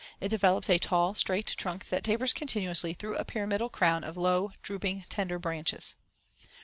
It develops a tall, straight trunk that tapers continuously through a pyramidal crown of low, drooping tender, branches.